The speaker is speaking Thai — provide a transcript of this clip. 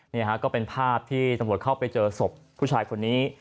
นี่ฮะก็เป็นภาพที่ตำรวจเข้าไปเจอศพผู้ชายคนนี้